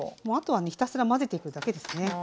もうあとはねひたすら混ぜていくだけですね。